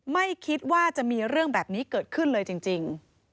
ไม่คิดว่าจะมีเรื่องแบบนี้เกิดขึ้นเลยจริง